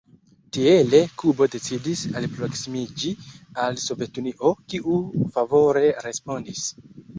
Tiele Kubo decidis alproksimiĝi al Sovetunio kiu favore respondis.